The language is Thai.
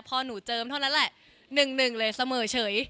พอหนูเจิมเท่านั้นแหละ๑๑เลยเสมอเฉย